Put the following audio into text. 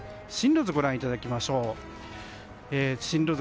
進路図をご覧いただきましょう。